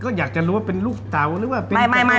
ก็อยากจะรู้ว่าเป็นลูกเตาหรือว่าเป็นลูกต้องใช้น้ำ